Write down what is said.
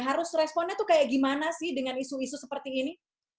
pertanyaannya itu seperti apa sih dengan isu isu seperti ini